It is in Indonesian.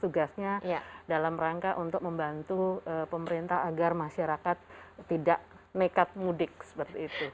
tugasnya dalam rangka untuk membantu pemerintah agar masyarakat tidak nekat mudik seperti itu